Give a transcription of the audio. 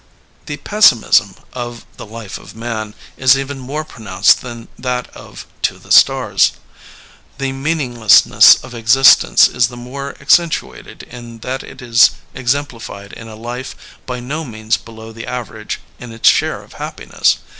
'' The pessimism of the Life of Man is even more pronounced than that of To the Stars. The mean inglessness of existence is the more accentuated in that it is exemplified in a life by no means below the average in its share of happiness.